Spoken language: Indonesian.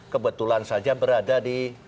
kebetulan saja berada di